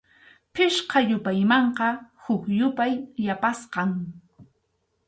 Pichqa yupaymanqa huk yupay yapasqam.